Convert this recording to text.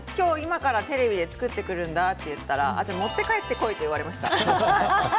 テレビで作ってくるんだと言ったら持って帰ってこいと言われました。